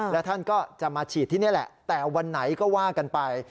แล้วท่านก็จะมาฉีดที่นี่แหละแต่วันไหนก็ว่ากันไป